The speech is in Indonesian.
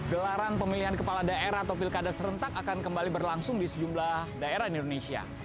gelaran pemilihan kepala daerah atau pilkada serentak akan kembali berlangsung di sejumlah daerah di indonesia